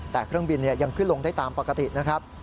แต่เครื่องบินยังขึ้นลงได้ตามปกตินะครับ